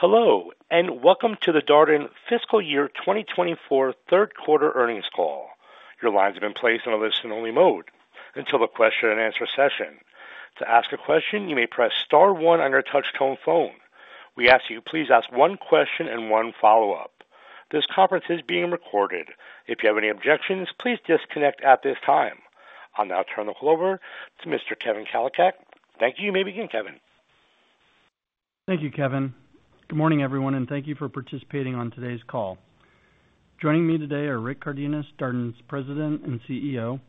Hello and welcome to the Darden fiscal year 2024 third quarter earnings call. Your lines have been placed in a listen-only mode until the question-and-answer session. To ask a question, you may press star 1 on your touch-tone phone. We ask that you please ask one question and one follow-up. This conference is being recorded. If you have any objections, please disconnect at this time. I'll now turn the call over to Mr. Kevin Kalicak. Thank you. You may begin, Kevin. Thank you, Kevin. Good morning, everyone, and thank you for participating on today's call. Joining me today are Rick Cardenas, Darden's President and CEO,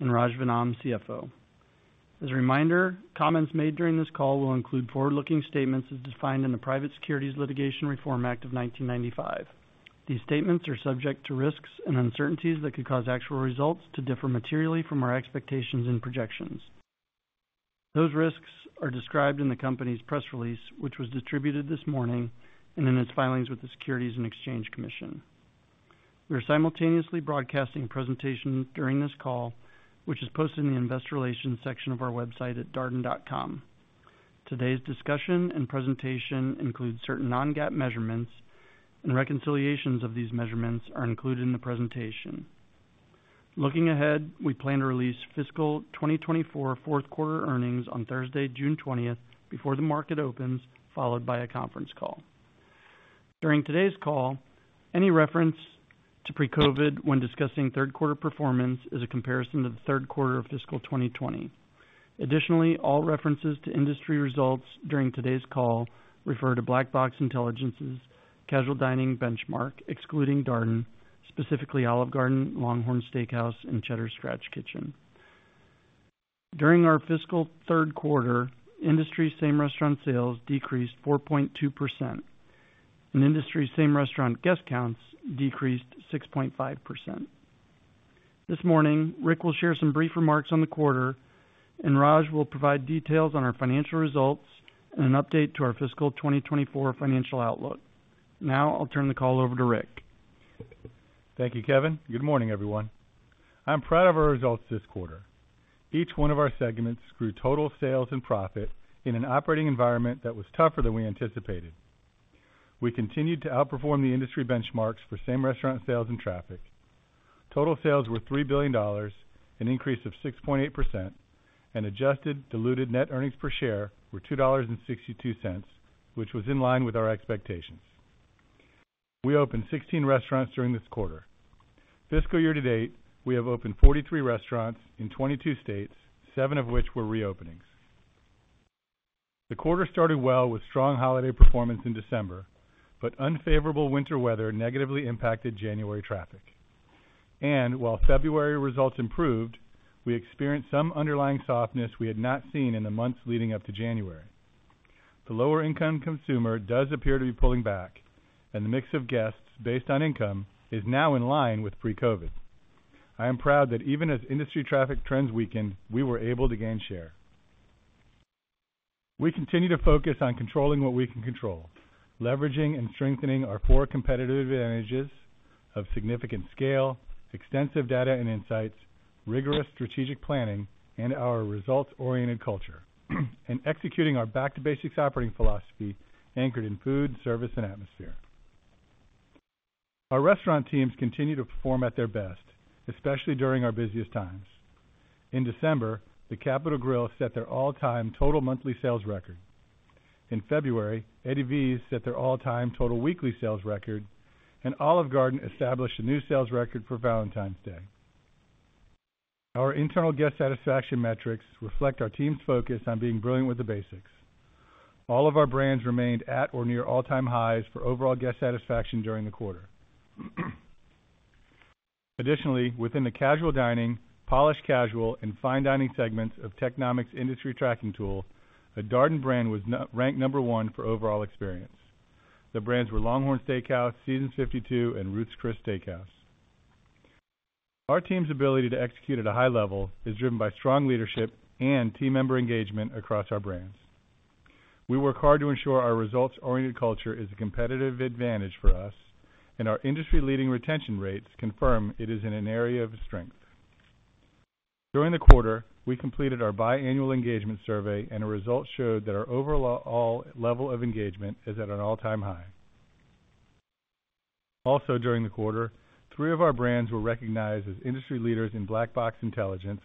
and Raj Vennam, CFO. As a reminder, comments made during this call will include forward-looking statements as defined in the Private Securities Litigation Reform Act of 1995. These statements are subject to risks and uncertainties that could cause actual results to differ materially from our expectations and projections. Those risks are described in the company's press release, which was distributed this morning and in its filings with the Securities and Exchange Commission. We are simultaneously broadcasting a presentation during this call, which is posted in the Investor Relations section of our website at darden.com. Today's discussion and presentation include certain non-GAAP measurements, and reconciliations of these measurements are included in the presentation. Looking ahead, we plan to release fiscal 2024 fourth quarter earnings on Thursday, June 20th, before the market opens, followed by a conference call. During today's call, any reference to pre-COVID when discussing third quarter performance is a comparison to the third quarter of fiscal 2020. Additionally, all references to industry results during today's call refer to Black Box Intelligence's casual dining benchmark, excluding Darden, specifically Olive Garden, LongHorn Steakhouse, and Cheddar's Scratch Kitchen. During our fiscal third quarter, industry same-restaurant sales decreased 4.2%, and industry same-restaurant guest counts decreased 6.5%. This morning, Rick will share some brief remarks on the quarter, and Raj will provide details on our financial results and an update to our fiscal 2024 financial outlook. Now I'll turn the call over to Rick. Thank you, Kevin. Good morning, everyone. I'm proud of our results this quarter. Each one of our segments grew total sales and profit in an operating environment that was tougher than we anticipated. We continued to outperform the industry benchmarks for same-restaurant sales and traffic. Total sales were $3 billion, an increase of 6.8%, and adjusted diluted net earnings per share were $2.62, which was in line with our expectations. We opened 16 restaurants during this quarter. Fiscal year to date, we have opened 43 restaurants in 22 states, 7 of which were reopenings. The quarter started well with strong holiday performance in December, but unfavorable winter weather negatively impacted January traffic. And while February results improved, we experienced some underlying softness we had not seen in the months leading up to January. The lower-income consumer does appear to be pulling back, and the mix of guests based on income is now in line with pre-COVID. I am proud that even as industry traffic trends weakened, we were able to gain share. We continue to focus on controlling what we can control, leveraging and strengthening our four competitive advantages of significant scale, extensive data and insights, rigorous strategic planning, and our results-oriented culture, and executing our back-to-basics operating philosophy anchored in food, service, and atmosphere. Our restaurant teams continue to perform at their best, especially during our busiest times. In December, The Capital Grille set their all-time total monthly sales record. In February, Eddie V's set their all-time total weekly sales record, and Olive Garden established a new sales record for Valentine's Day. Our internal guest satisfaction metrics reflect our team's focus on being brilliant with the basics. All of our brands remained at or near all-time highs for overall guest satisfaction during the quarter. Additionally, within the casual dining, polished casual, and fine dining segments of Technomic's Industry Tracking Tool, a Darden brand was ranked number one for overall experience. The brands were LongHorn Steakhouse, Seasons 52, and Ruth's Chris Steak House. Our team's ability to execute at a high level is driven by strong leadership and team member engagement across our brands. We work hard to ensure our results-oriented culture is a competitive advantage for us, and our industry-leading retention rates confirm it is in an area of strength. During the quarter, we completed our biannual engagement survey, and our results showed that our overall level of engagement is at an all-time high. Also, during the quarter, three of our brands were recognized as industry leaders in Black Box Intelligence: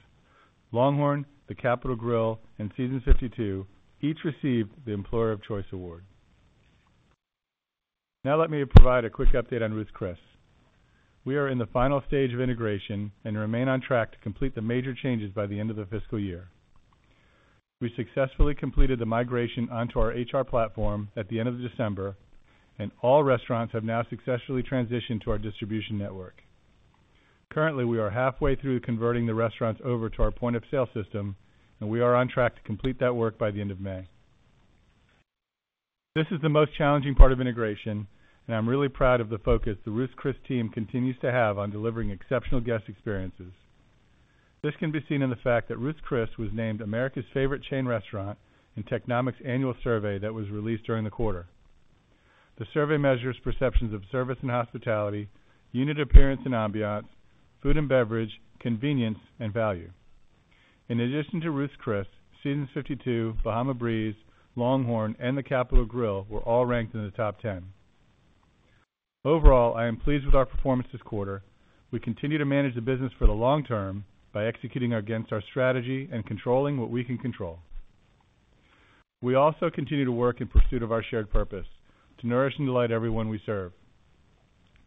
LongHorn, The Capital Grille, and Seasons 52, each received the Employer of Choice Award. Now let me provide a quick update on Ruth's Chris. We are in the final stage of integration and remain on track to complete the major changes by the end of the fiscal year. We successfully completed the migration onto our HR platform at the end of December, and all restaurants have now successfully transitioned to our distribution network. Currently, we are halfway through converting the restaurants over to our point-of-sale system, and we are on track to complete that work by the end of May. This is the most challenging part of integration, and I'm really proud of the focus the Ruth's Chris team continues to have on delivering exceptional guest experiences. This can be seen in the fact that Ruth's Chris was named America's Favorite Chain Restaurant in Technomic's annual survey that was released during the quarter. The survey measures perceptions of service and hospitality, unit appearance and ambiance, food and beverage, convenience, and value. In addition to Ruth's Chris, Seasons 52, Bahama Breeze, LongHorn, and The Capital Grille were all ranked in the top 10. Overall, I am pleased with our performance this quarter. We continue to manage the business for the long term by executing against our strategy and controlling what we can control. We also continue to work in pursuit of our shared purpose: to nourish and delight everyone we serve.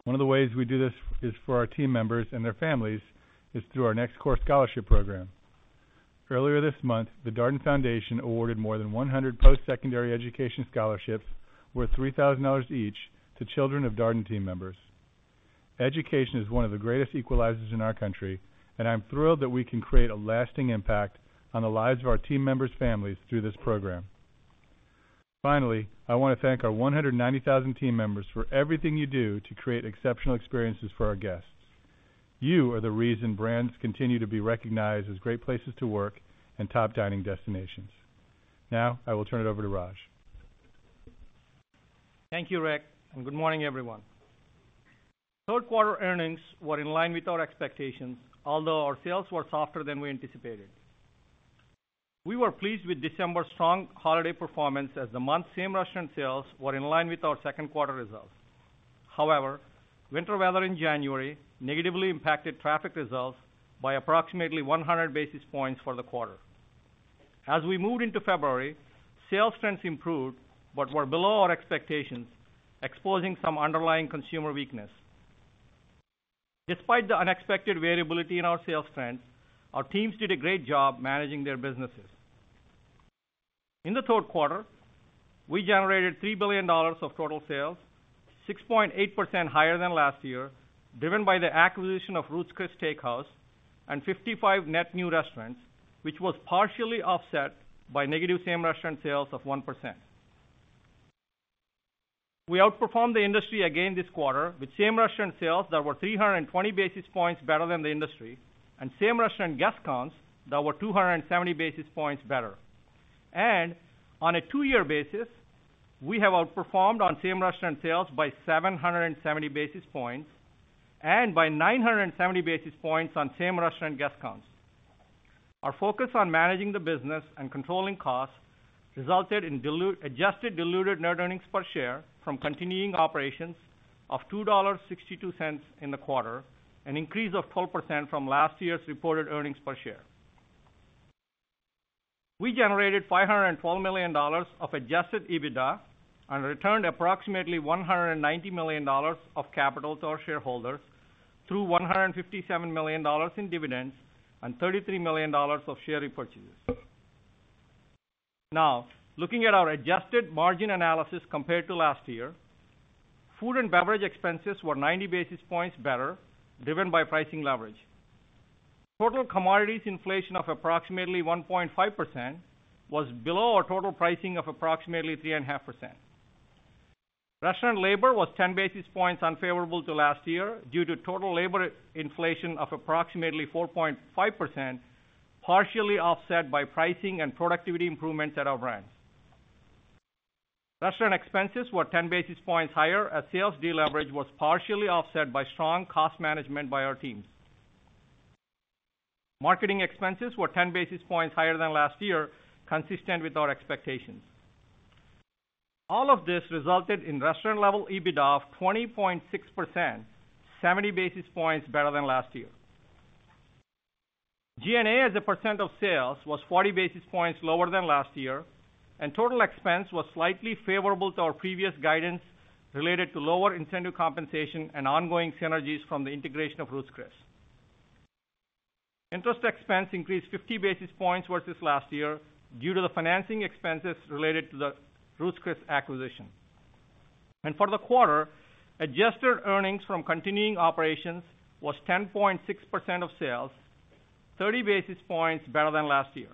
One of the ways we do this for our team members and their families is through our Next Course Scholarship Program. Earlier this month, the Darden Foundation awarded more than 100 post-secondary education scholarships, worth $3,000 each, to children of Darden team members. Education is one of the greatest equalizers in our country, and I'm thrilled that we can create a lasting impact on the lives of our team members' families through this program. Finally, I want to thank our 190,000 team members for everything you do to create exceptional experiences for our guests. You are the reason brands continue to be recognized as great places to work and top dining destinations. Now I will turn it over to Raj. Thank you, Rick, and good morning, everyone. Third quarter earnings were in line with our expectations, although our sales were softer than we anticipated. We were pleased with December's strong holiday performance as the month's same-restaurant sales were in line with our second quarter results. However, winter weather in January negatively impacted traffic results by approximately 100 basis points for the quarter. As we moved into February, sales trends improved but were below our expectations, exposing some underlying consumer weakness. Despite the unexpected variability in our sales trends, our teams did a great job managing their businesses. In the third quarter, we generated $3 billion of total sales, 6.8% higher than last year, driven by the acquisition of Ruth's Chris Steak House and 55 net new restaurants, which was partially offset by negative same-restaurant sales of 1%. We outperformed the industry again this quarter with same-restaurant sales that were 320 basis points better than the industry and same-restaurant guest counts that were 270 basis points better. On a two-year basis, we have outperformed on same-restaurant sales by 770 basis points and by 970 basis points on same-restaurant guest counts. Our focus on managing the business and controlling costs resulted in adjusted diluted net earnings per share from continuing operations of $2.62 in the quarter, an increase of 12% from last year's reported earnings per share. We generated $512 million of Adjusted EBITDA and returned approximately $190 million of capital to our shareholders through $157 million in dividends and $33 million of share repurchases. Now, looking at our adjusted margin analysis compared to last year, food and beverage expenses were 90 basis points better, driven by pricing leverage. Total commodities inflation of approximately 1.5% was below our total pricing of approximately 3.5%. Restaurant labor was 10 basis points unfavorable to last year due to total labor inflation of approximately 4.5%, partially offset by pricing and productivity improvements at our brands. Restaurant expenses were 10 basis points higher as sales de-leverage was partially offset by strong cost management by our teams. Marketing expenses were 10 basis points higher than last year, consistent with our expectations. All of this resulted in restaurant-level EBITDA of 20.6%, 70 basis points better than last year. G&A, as a percent of sales, was 40 basis points lower than last year, and total expense was slightly favorable to our previous guidance related to lower incentive compensation and ongoing synergies from the integration of Ruth's Chris. Interest expense increased 50 basis points versus last year due to the financing expenses related to the Ruth's Chris acquisition. For the quarter, adjusted earnings from continuing operations was 10.6% of sales, 30 basis points better than last year.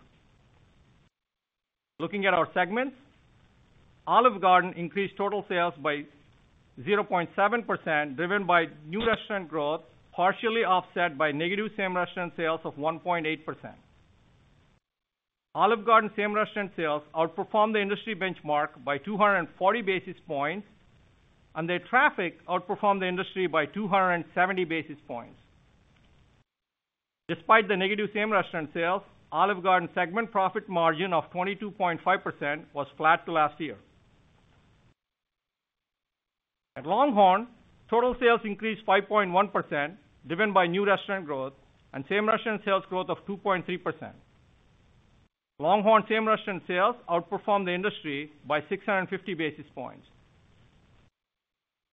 Looking at our segments, Olive Garden increased total sales by 0.7%, driven by new restaurant growth, partially offset by negative same-restaurant sales of 1.8%. Olive Garden same-restaurant sales outperformed the industry benchmark by 240 basis points, and their traffic outperformed the industry by 270 basis points. Despite the negative same-restaurant sales, Olive Garden segment profit margin of 22.5% was flat to last year. At LongHorn, total sales increased 5.1%, driven by new restaurant growth, and same-restaurant sales growth of 2.3%. LongHorn same-restaurant sales outperformed the industry by 650 basis points.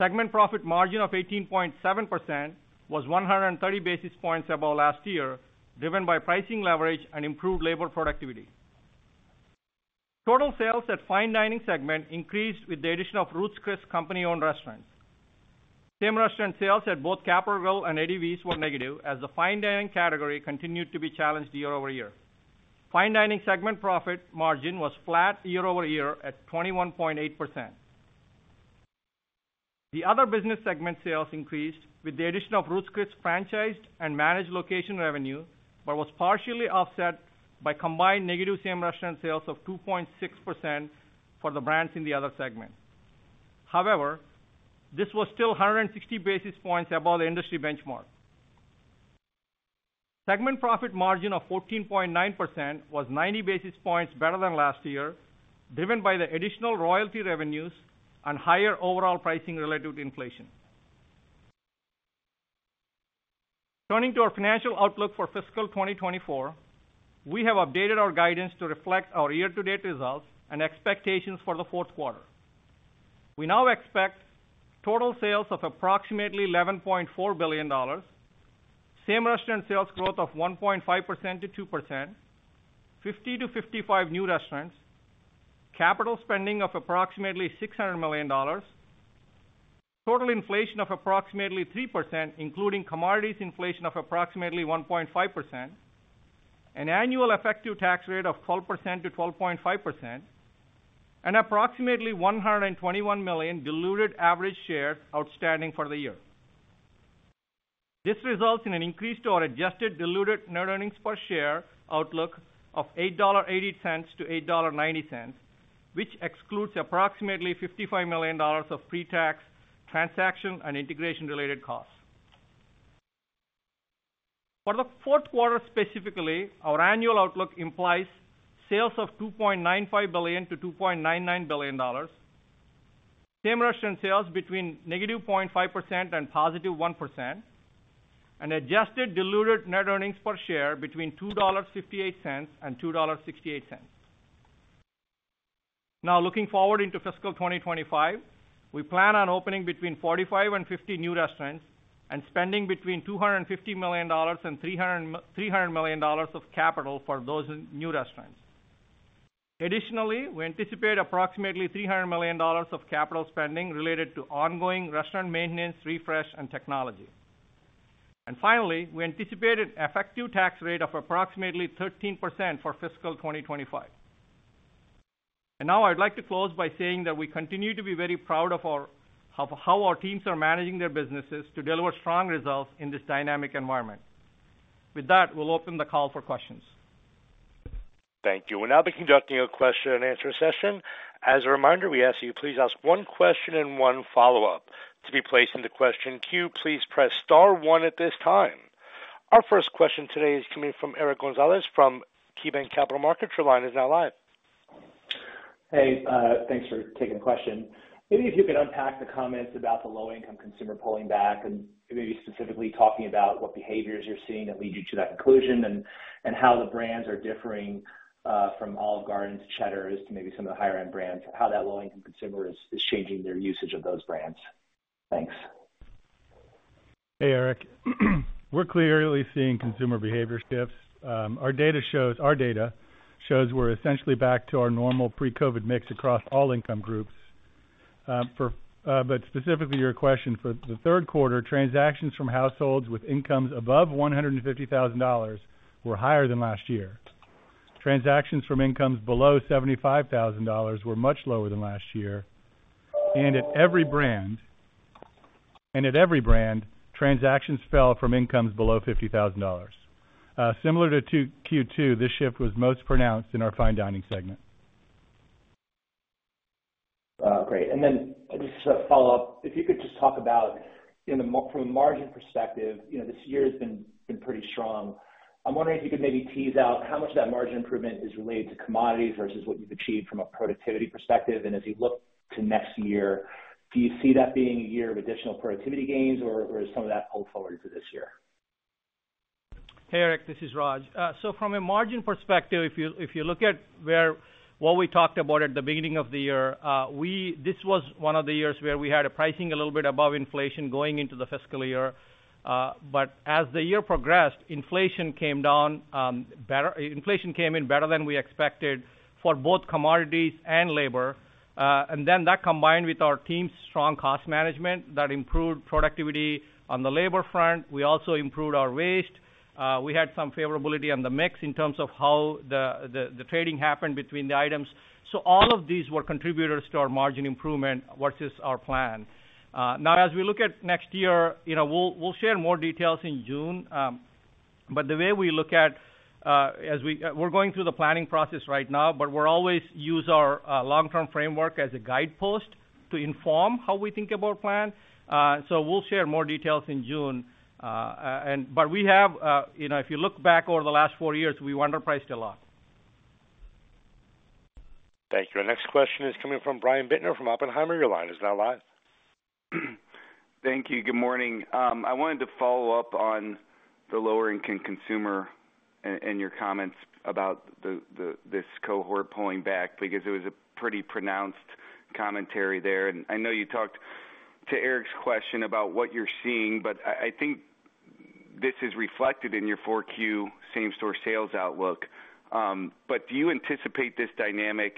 Segment profit margin of 18.7% was 130 basis points above last year, driven by pricing leverage and improved labor productivity. Total sales at fine dining segment increased with the addition of Ruth's Chris company-owned restaurants. Same-restaurant sales at both Capital Grille and Eddie V's were negative, as the fine dining category continued to be challenged year-over-year. Fine dining segment profit margin was flat year-over-year at 21.8%. The other business segment sales increased with the addition of Ruth's Chris franchised and managed location revenue but was partially offset by combined negative same-restaurant sales of 2.6% for the brands in the other segment. However, this was still 160 basis points above the industry benchmark. Segment profit margin of 14.9% was 90 basis points better than last year, driven by the additional royalty revenues and higher overall pricing relative to inflation. Turning to our financial outlook for fiscal 2024, we have updated our guidance to reflect our year-to-date results and expectations for the fourth quarter. We now expect total sales of approximately $11.4 billion, same-restaurant sales growth of 1.5%-2%, 50-55 new restaurants, capital spending of approximately $600 million, total inflation of approximately 3%, including commodities inflation of approximately 1.5%, an annual effective tax rate of 12%-12.5%, and approximately 121 million diluted average shares outstanding for the year. This results in an increase to our adjusted diluted net earnings per share outlook of $8.80-$8.90, which excludes approximately $55 million of pre-tax transaction and integration-related costs. For the fourth quarter specifically, our annual outlook implies sales of $2.95-$2.99 billion, same-restaurant sales between negative 0.5% and positive 1%, and adjusted diluted net earnings per share between $2.58 and $2.68. Now, looking forward into fiscal 2025, we plan on opening between 45 and 50 new restaurants and spending between $250 million and $300 million of capital for those new restaurants. Additionally, we anticipate approximately $300 million of capital spending related to ongoing restaurant maintenance, refresh, and technology. And finally, we anticipate an effective tax rate of approximately 13% for fiscal 2025. And now I'd like to close by saying that we continue to be very proud of how our teams are managing their businesses to deliver strong results in this dynamic environment. With that, we'll open the call for questions. Thank you. We'll now be conducting a question-and-answer session. As a reminder, we ask that you please ask one question and one follow-up. To be placed in the question queue, please press star one at this time. Our first question today is coming from Eric Gonzalez from KeyBanc Capital Markets. Your line is now live. Hey. Thanks for taking the question. Maybe if you could unpack the comments about the low-income consumer pulling back and maybe specifically talking about what behaviors you're seeing that lead you to that conclusion and how the brands are differing from Olive Garden to Cheddar's to maybe some of the higher-end brands, how that low-income consumer is changing their usage of those brands. Thanks. Hey, Eric. We're clearly seeing consumer behavior shifts. Our data shows we're essentially back to our normal pre-COVID mix across all income groups. But specifically, your question, for the third quarter, transactions from households with incomes above $150,000 were higher than last year. Transactions from incomes below $75,000 were much lower than last year. And at every brand, transactions fell from incomes below $50,000. Similar to Q2, this shift was most pronounced in our fine dining segment. Great. And then just to follow up, if you could just talk about from a margin perspective, this year has been pretty strong. I'm wondering if you could maybe tease out how much of that margin improvement is related to commodities versus what you've achieved from a productivity perspective. And as you look to next year, do you see that being a year of additional productivity gains, or is some of that pulled forward into this year? Hey, Eric. This is Raj. So from a margin perspective, if you look at what we talked about at the beginning of the year, this was one of the years where we had a pricing a little bit above inflation going into the fiscal year. But as the year progressed, inflation came down. Better, inflation came in better than we expected for both commodities and labor. And then that combined with our team's strong cost management that improved productivity on the labor front. We also improved our waste. We had some favorability on the mix in terms of how the trading happened between the items. So all of these were contributors to our margin improvement versus our plan. Now, as we look at next year, we'll share more details in June. The way we look at as we're going through the planning process right now, but we're always use our long-term framework as a guidepost to inform how we think about plan. So we'll share more details in June. But we have, if you look back over the last four years, we underpriced a lot. Thank you. Our next question is coming from Brian Bittner from Oppenheimer. Your line is now live. Thank you. Good morning. I wanted to follow up on the lower-income consumer and your comments about this cohort pulling back because it was a pretty pronounced commentary there. And I know you talked to Eric's question about what you're seeing, but I think this is reflected in your 4Q same-store sales outlook. But do you anticipate this dynamic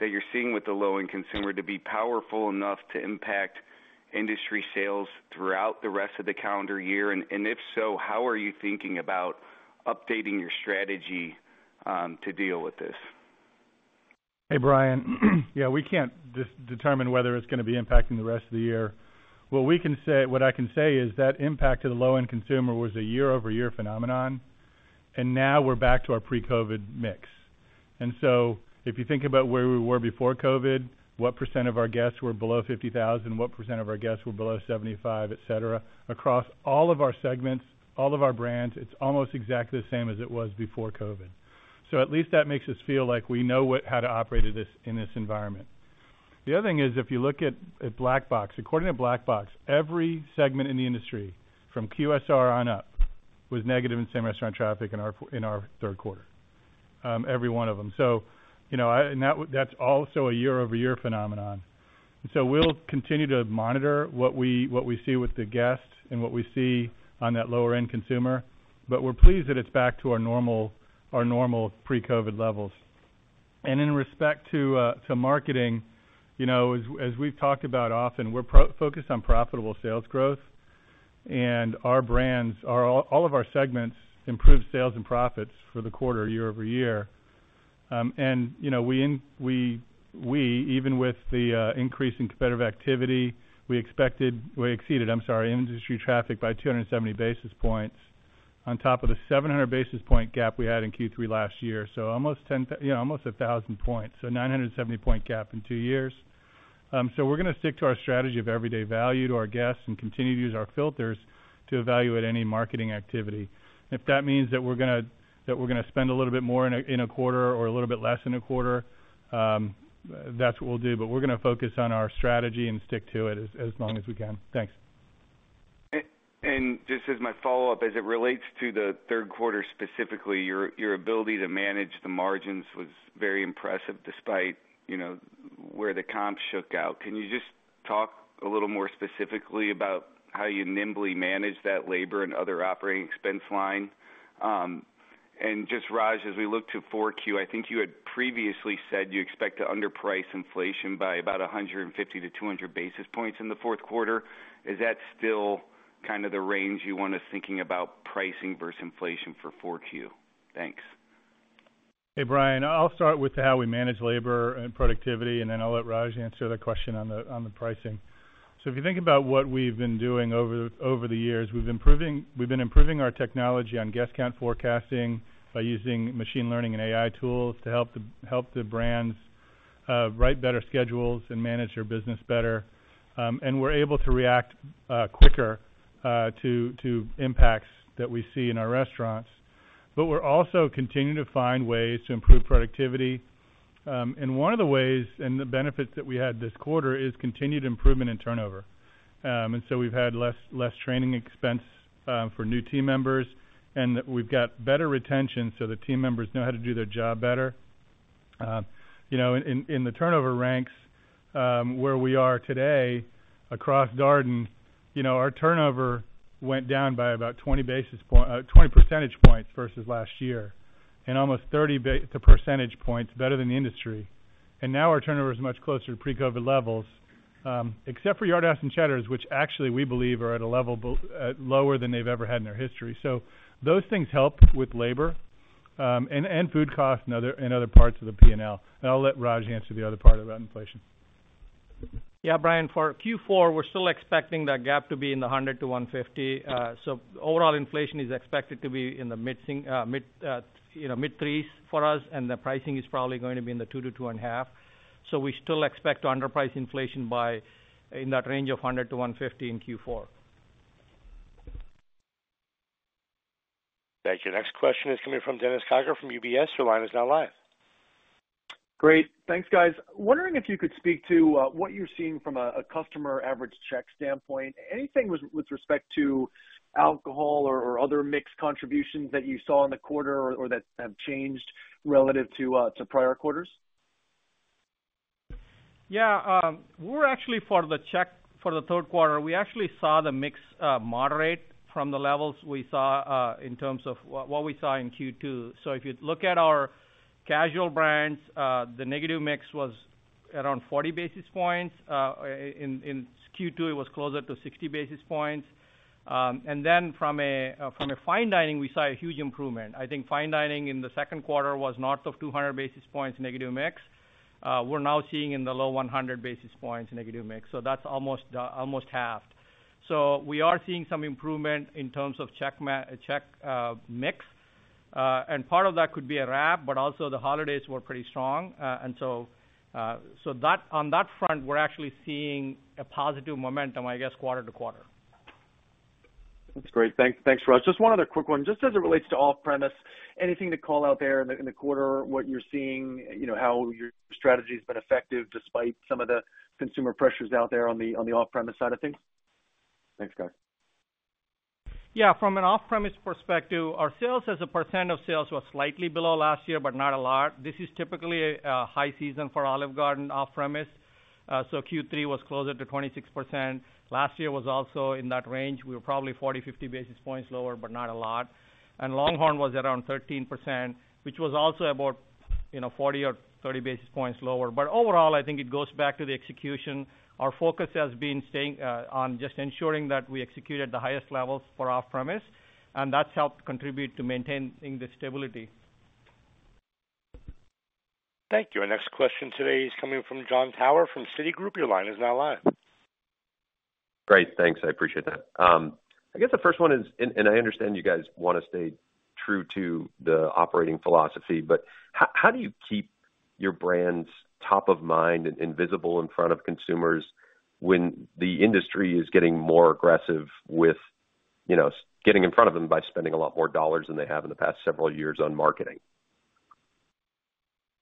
that you're seeing with the low-income consumer to be powerful enough to impact industry sales throughout the rest of the calendar year? And if so, how are you thinking about updating your strategy to deal with this? Hey, Brian. Yeah, we can't determine whether it's going to be impacting the rest of the year. What I can say is that impact to the low-income consumer was a year-over-year phenomenon. And now we're back to our pre-COVID mix. And so if you think about where we were before COVID, what percent of our guests were below 50,000, what percent of our guests were below 75,000, etc., across all of our segments, all of our brands, it's almost exactly the same as it was before COVID. So at least that makes us feel like we know how to operate in this environment. The other thing is, if you look at Black Box, according to Black Box, every segment in the industry from QSR on up was negative in same-restaurant traffic in our third quarter, every one of them. And that's also a year-over-year phenomenon. And so we'll continue to monitor what we see with the guests and what we see on that lower-end consumer. But we're pleased that it's back to our normal pre-COVID levels. And in respect to marketing, as we've talked about often, we're focused on profitable sales growth. And our brands, all of our segments, improved sales and profits for the quarter, year-over-year. And we, even with the increase in competitive activity, we expected we exceeded, I'm sorry, industry traffic by 270 basis points on top of the 700 basis point gap we had in Q3 last year, so almost 1,000 points, so a 970-point gap in two years. So we're going to stick to our strategy of everyday value to our guests and continue to use our filters to evaluate any marketing activity. If that means that we're going to spend a little bit more in a quarter or a little bit less in a quarter, that's what we'll do. But we're going to focus on our strategy and stick to it as long as we can. Thanks. Just as my follow-up, as it relates to the third quarter specifically, your ability to manage the margins was very impressive despite where the comps shook out. Can you just talk a little more specifically about how you nimbly managed that labor and other operating expense line? And just, Raj, as we look to 4Q, I think you had previously said you expect to underprice inflation by about 150-200 basis points in the fourth quarter. Is that still kind of the range you want us thinking about pricing versus inflation for 4Q? Thanks. Hey, Brian. I'll start with how we manage labor and productivity, and then I'll let Raj answer the question on the pricing. So if you think about what we've been doing over the years, we've been improving our technology on guest count forecasting by using machine learning and AI tools to help the brands write better schedules and manage their business better. And we're able to react quicker to impacts that we see in our restaurants. But we're also continuing to find ways to improve productivity. And one of the ways and the benefits that we had this quarter is continued improvement in turnover. And so we've had less training expense for new team members, and we've got better retention so the team members know how to do their job better. In the turnover ranks, where we are today across Darden, our turnover went down by about 20 percentage points versus last year and almost 30 percentage points better than the industry. Now our turnover is much closer to pre-COVID levels, except for Yard House and Cheddar's, which actually we believe are at a level lower than they've ever had in their history. Those things help with labor and food costs and other parts of the P&L. I'll let Raj answer the other part about inflation. Yeah, Brian. For Q4, we're still expecting that gap to be in the 100-150. So overall, inflation is expected to be in the mid-3s for us, and the pricing is probably going to be in the 2-2.5. So we still expect to underprice inflation in that range of 100-150 in Q4. Thank you. Next question is coming from Dennis Geiger from UBS. Your line is now live. Great. Thanks, guys. Wondering if you could speak to what you're seeing from a customer average check standpoint, anything with respect to alcohol or other mixed contributions that you saw in the quarter or that have changed relative to prior quarters? Yeah. For the third quarter, we actually saw the mix moderate from the levels we saw in terms of what we saw in Q2. So if you look at our casual brands, the negative mix was around 40 basis points. In Q2, it was closer to 60 basis points. And then from a fine dining, we saw a huge improvement. I think fine dining in the second quarter was north of 200 basis points negative mix. We're now seeing in the low 100 basis points negative mix. So that's almost halved. So we are seeing some improvement in terms of check mix. And part of that could be a wrap, but also the holidays were pretty strong. And so on that front, we're actually seeing a positive momentum, I guess, quarter to quarter. That's great. Thanks, Raj. Just one other quick one. Just as it relates to off-premise, anything to call out there in the quarter, what you're seeing, how your strategy has been effective despite some of the consumer pressures out there on the off-premise side of things? Thanks, guys. Yeah. From an off-premise perspective, our sales as a percent of sales were slightly below last year but not a lot. This is typically a high season for Olive Garden off-premise. So Q3 was closer to 26%. Last year was also in that range. We were probably 40, 50 basis points lower but not a lot. And LongHorn was around 13%, which was also about 40 or 30 basis points lower. But overall, I think it goes back to the execution. Our focus has been staying on just ensuring that we executed the highest levels for off-premise. And that's helped contribute to maintaining the stability. Thank you. Our next question today is coming from Jon Tower from Citigroup. Your line is now live. Great. Thanks. I appreciate that. I guess the first one is, and I understand you guys want to stay true to the operating philosophy. But how do you keep your brands top of mind and visible in front of consumers when the industry is getting more aggressive with getting in front of them by spending a lot more dollars than they have in the past several years on marketing?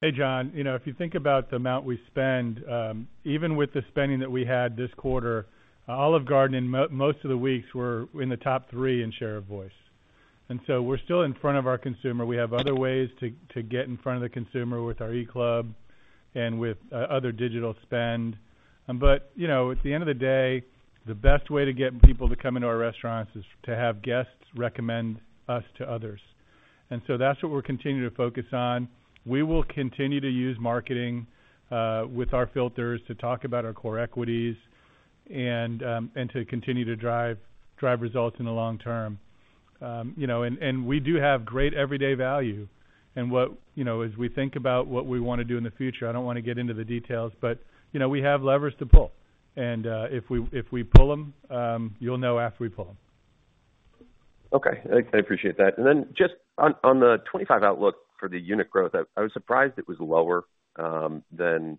Hey, John. If you think about the amount we spend, even with the spending that we had this quarter, Olive Garden in most of the weeks were in the top three in share of voice. And so we're still in front of our consumer. We have other ways to get in front of the consumer with our eClub and with other digital spend. But at the end of the day, the best way to get people to come into our restaurants is to have guests recommend us to others. And so that's what we're continuing to focus on. We will continue to use marketing with our filters to talk about our core equities and to continue to drive results in the long term. And we do have great everyday value. As we think about what we want to do in the future, I don't want to get into the details, but we have levers to pull. If we pull them, you'll know after we pull them. Okay. I appreciate that. And then just on the 25 outlook for the unit growth, I was surprised it was lower than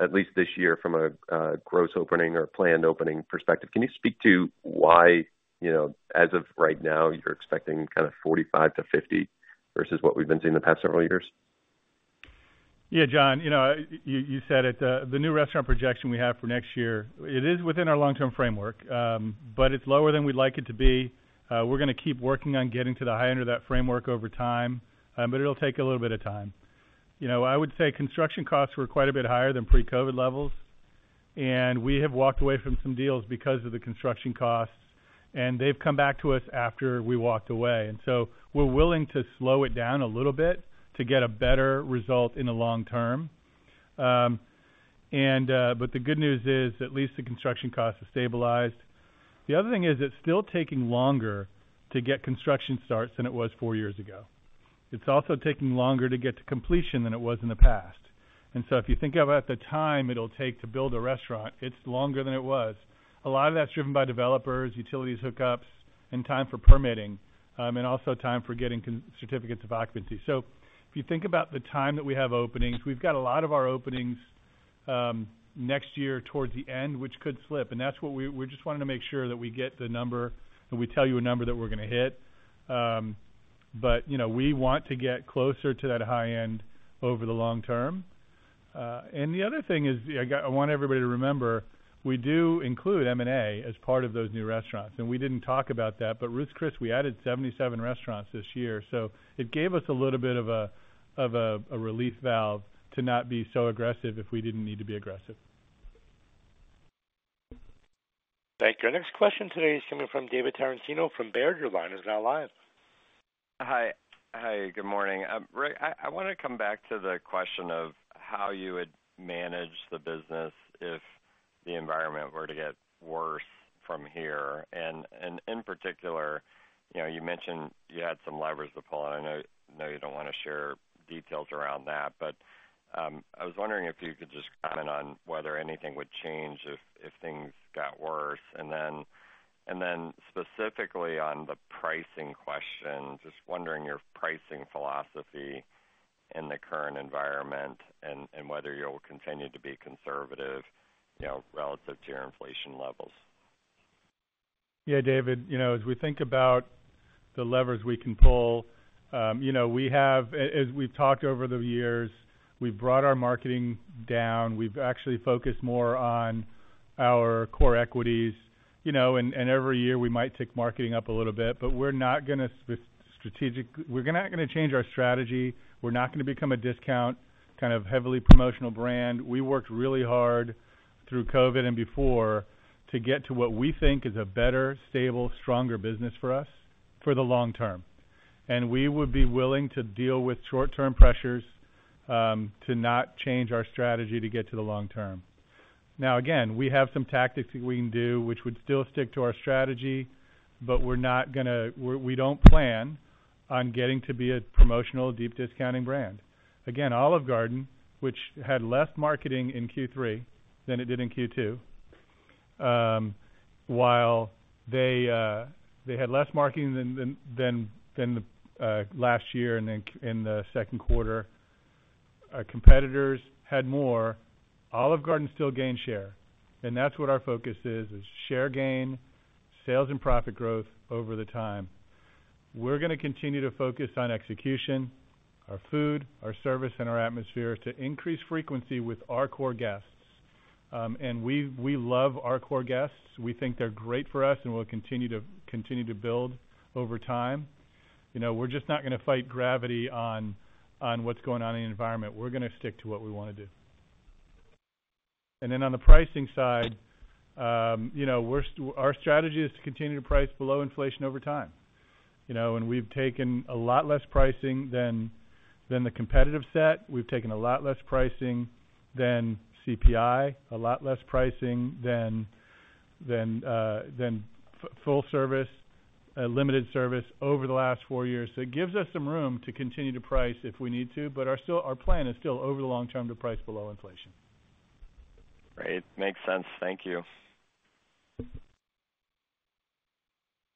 at least this year from a gross opening or planned opening perspective. Can you speak to why, as of right now, you're expecting kind of 45-50 versus what we've been seeing the past several years? Yeah, John. You said it. The new restaurant projection we have for next year is within our long-term framework, but it's lower than we'd like it to be. We're going to keep working on getting to the high end of that framework over time, but it'll take a little bit of time. I would say construction costs were quite a bit higher than pre-COVID levels. We have walked away from some deals because of the construction costs. They've come back to us after we walked away. So we're willing to slow it down a little bit to get a better result in the long term. But the good news is at least the construction costs have stabilized. The other thing is it's still taking longer to get construction starts than it was four years ago. It's also taking longer to get to completion than it was in the past. And so if you think about the time it'll take to build a restaurant, it's longer than it was. A lot of that's driven by developers, utilities hookups, and time for permitting, and also time for getting certificates of occupancy. So if you think about the time that we have openings, we've got a lot of our openings next year towards the end, which could slip. And that's what we're just wanting to make sure that we get the number that we tell you a number that we're going to hit. But we want to get closer to that high end over the long term. And the other thing is I want everybody to remember, we do include M&A as part of those new restaurants. We didn't talk about that, but Ruth's Chris, we added 77 restaurants this year. So it gave us a little bit of a relief valve to not be so aggressive if we didn't need to be aggressive. Thank you. Our next question today is coming from David Tarantino from Baird. Your line is now live. Hi. Hi. Good morning. I want to come back to the question of how you would manage the business if the environment were to get worse from here. In particular, you mentioned you had some levers to pull. I know you don't want to share details around that. I was wondering if you could just comment on whether anything would change if things got worse. Then specifically on the pricing question, just wondering your pricing philosophy in the current environment and whether you'll continue to be conservative relative to your inflation levels. Yeah, David. As we think about the levers we can pull, we have, as we've talked over the years, we've brought our marketing down. We've actually focused more on our core equities. And every year, we might tick marketing up a little bit, but we're not going to strategically we're not going to change our strategy. We're not going to become a discount kind of heavily promotional brand. We worked really hard through COVID and before to get to what we think is a better, stable, stronger business for us for the long term. And we would be willing to deal with short-term pressures to not change our strategy to get to the long term. Now, again, we have some tactics that we can do, which would still stick to our strategy, but we're not going to we don't plan on getting to be a promotional, deep discounting brand. Again, Olive Garden, which had less marketing in Q3 than it did in Q2, while they had less marketing than last year and in the second quarter, competitors had more, Olive Garden still gained share. And that's what our focus is, is share gain, sales, and profit growth over the time. We're going to continue to focus on execution, our food, our service, and our atmosphere to increase frequency with our core guests. And we love our core guests. We think they're great for us, and we'll continue to build over time. We're just not going to fight gravity on what's going on in the environment. We're going to stick to what we want to do. And then on the pricing side, our strategy is to continue to price below inflation over time. And we've taken a lot less pricing than the competitive set. We've taken a lot less pricing than CPI, a lot less pricing than full service, limited service over the last four years. So it gives us some room to continue to price if we need to, but our plan is still over the long term to price below inflation. Great. Makes sense. Thank you.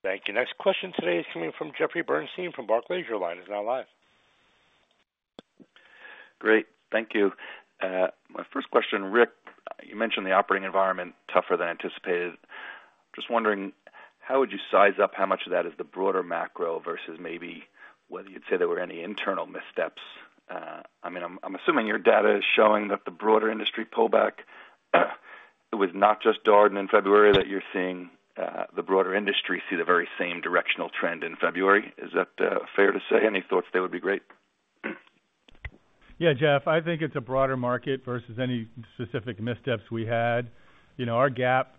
Thank you. Next question today is coming from Jeffrey Bernstein from Barclays. Your line is now live. Great. Thank you. My first question, Rick, you mentioned the operating environment tougher than anticipated. Just wondering, how would you size up how much of that is the broader macro versus maybe whether you'd say there were any internal missteps? I mean, I'm assuming your data is showing that the broader industry pullback, it was not just Darden in February that you're seeing the broader industry see the very same directional trend in February. Is that fair to say? Any thoughts there would be great? Yeah, Jeff. I think it's a broader market versus any specific missteps we had. Our gap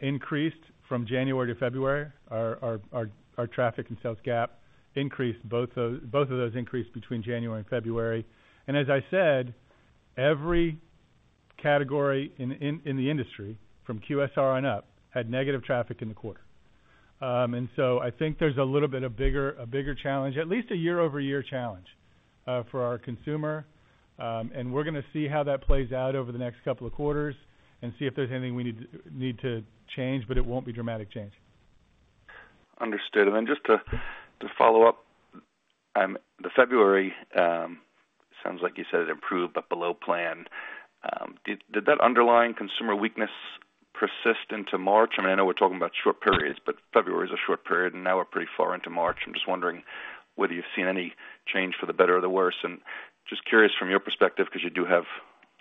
increased from January to February. Our traffic and sales gap increased. Both of those increased between January and February. And as I said, every category in the industry from QSR on up had negative traffic in the quarter. And so I think there's a little bit of bigger challenge, at least a year-over-year challenge for our consumer. And we're going to see how that plays out over the next couple of quarters and see if there's anything we need to change, but it won't be dramatic change. Understood. And then just to follow up, the February sounds like you said it improved but below plan. Did that underlying consumer weakness persist into March? I mean, I know we're talking about short periods, but February is a short period, and now we're pretty far into March. I'm just wondering whether you've seen any change for the better or the worse. And just curious from your perspective because you do have,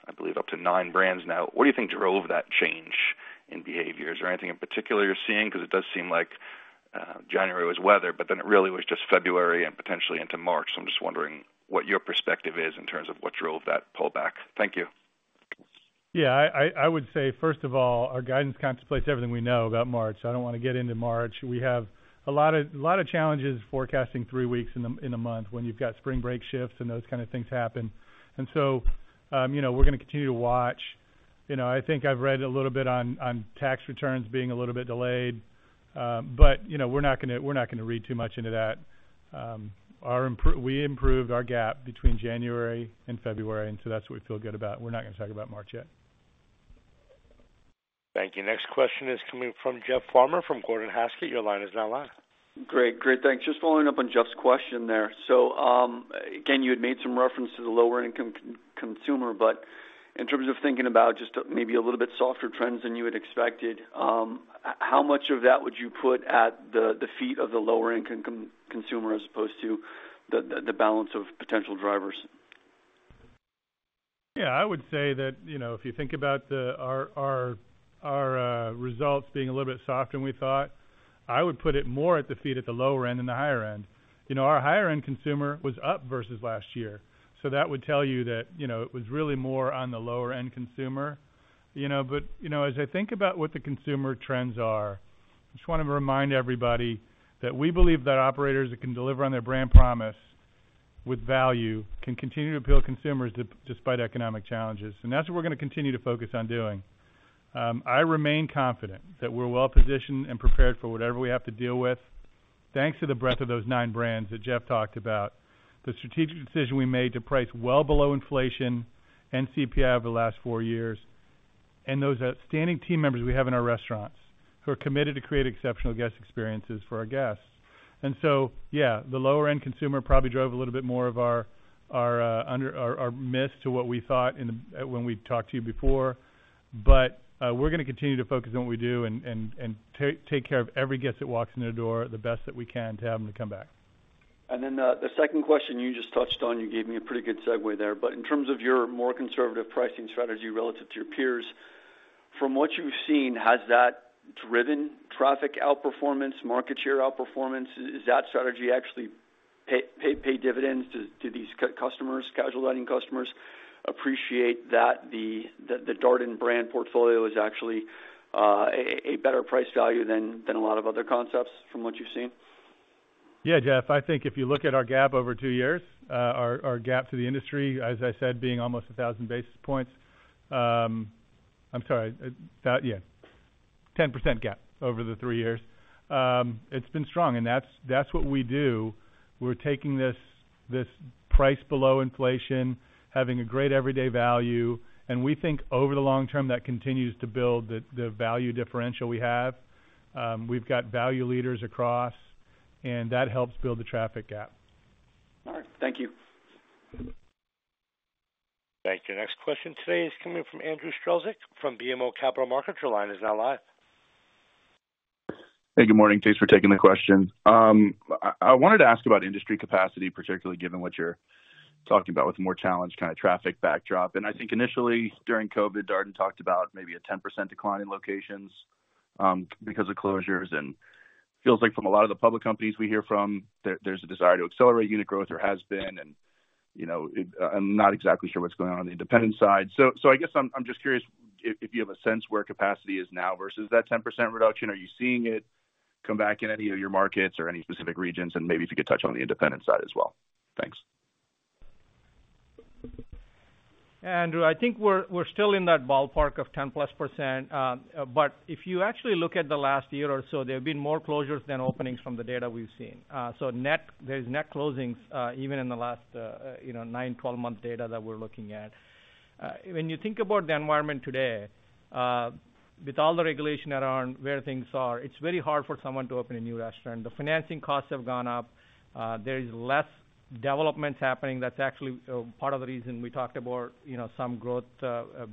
I believe, up to nine brands now, what do you think drove that change in behaviors? Is there anything in particular you're seeing? Because it does seem like January was weather, but then it really was just February and potentially into March. So I'm just wondering what your perspective is in terms of what drove that pullback. Thank you. Yeah. I would say, first of all, our guidance contemplates everything we know about March. I don't want to get into March. We have a lot of challenges forecasting three weeks in a month when you've got spring break shifts and those kind of things happen. And so we're going to continue to watch. I think I've read a little bit on tax returns being a little bit delayed, but we're not going to read too much into that. We improved our gap between January and February, and so that's what we feel good about. We're not going to talk about March yet. Thank you. Next question is coming from Jeff Farmer from Gordon Haskett. Your line is now live. Great. Great. Thanks. Just following up on Jeff's question there. So again, you had made some reference to the lower-income consumer, but in terms of thinking about just maybe a little bit softer trends than you had expected, how much of that would you put at the feet of the lower-income consumer as opposed to the balance of potential drivers? Yeah. I would say that if you think about our results being a little bit softer than we thought, I would put it more at the feet at the lower end than the higher end. Our higher-end consumer was up versus last year. So that would tell you that it was really more on the lower-end consumer. But as I think about what the consumer trends are, I just want to remind everybody that we believe that operators that can deliver on their brand promise with value can continue to appeal to consumers despite economic challenges. And that's what we're going to continue to focus on doing. I remain confident that we're well-positioned and prepared for whatever we have to deal with thanks to the breadth of those nine brands that Jeff talked about, the strategic decision we made to price well below inflation and CPI over the last four years, and those outstanding team members we have in our restaurants who are committed to create exceptional guest experiences for our guests. And so yeah, the lower-end consumer probably drove a little bit more of our miss to what we thought when we talked to you before. But we're going to continue to focus on what we do and take care of every guest that walks in the door the best that we can to have them to come back. Then the second question, you just touched on. You gave me a pretty good segue there. But in terms of your more conservative pricing strategy relative to your peers, from what you've seen, has that driven traffic outperformance, market share outperformance? Is that strategy actually pay dividends? Do these customers, casual dining customers, appreciate that the Darden brand portfolio is actually a better price value than a lot of other concepts from what you've seen? Yeah, Jeff. I think if you look at our gap over two years, our gap to the industry, as I said, being almost 1,000 basis points. I'm sorry. Yeah. 10% gap over the three years. It's been strong. And that's what we do. We're taking this price below inflation, having a great everyday value. And we think over the long term, that continues to build the value differential we have. We've got value leaders across, and that helps build the traffic gap. All right. Thank you. Thank you. Next question today is coming from Andrew Strelzik from BMO Capital Markets. Your line is now live. Hey. Good morning. Thanks for taking the question. I wanted to ask about industry capacity, particularly given what you're talking about with the more challenged kind of traffic backdrop. And I think initially during COVID, Darden talked about maybe a 10% decline in locations because of closures. And it feels like from a lot of the public companies we hear from, there's a desire to accelerate unit growth or has been. And I'm not exactly sure what's going on on the independent side. So I guess I'm just curious if you have a sense where capacity is now versus that 10% reduction. Are you seeing it come back in any of your markets or any specific regions? And maybe if you could touch on the independent side as well. Thanks. Yeah, Andrew. I think we're still in that ballpark of 10%+. But if you actually look at the last year or so, there have been more closures than openings from the data we've seen. So there's net closings even in the last 9-12-month data that we're looking at. When you think about the environment today, with all the regulation around where things are, it's very hard for someone to open a new restaurant. The financing costs have gone up. There is less developments happening. That's actually part of the reason we talked about some growth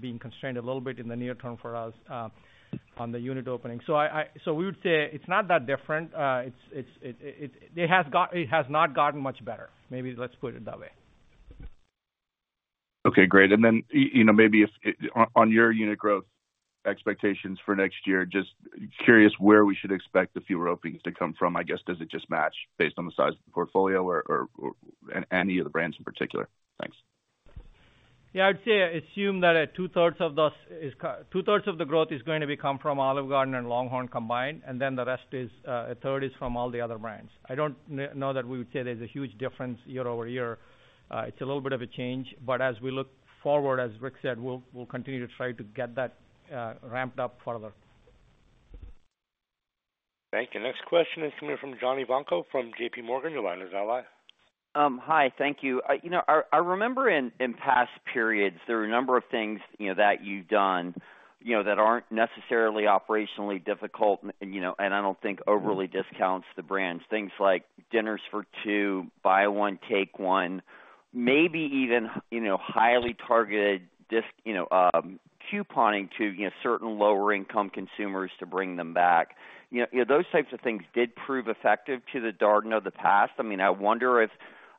being constrained a little bit in the near term for us on the unit opening. So we would say it's not that different. It has not gotten much better. Maybe let's put it that way. Okay. Great. And then maybe on your unit growth expectations for next year, just curious where we should expect the fewer openings to come from. I guess does it just match based on the size of the portfolio or any of the brands in particular? Thanks. Yeah. I would say assume that two-thirds of the growth is going to come from Olive Garden and LongHorn combined, and then the rest is a third is from all the other brands. I don't know that we would say there's a huge difference year-over-year. It's a little bit of a change. But as we look forward, as Rick said, we'll continue to try to get that ramped up further. Thank you. Next question is coming from John Ivankoe from J.P. Morgan. Your line is now live. Hi. Thank you. I remember in past periods, there are a number of things that you've done that aren't necessarily operationally difficult, and I don't think overly discounts the brands, things like dinners for two, Buy One, Take One, maybe even highly targeted couponing to certain lower-income consumers to bring them back. Those types of things did prove effective to the Darden of the past. I mean, I wonder if